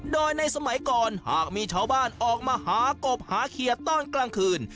โดยในสมัยก่อนหากมีชาวบ้านออกมาหากบหาเขียดตอนกลางคืน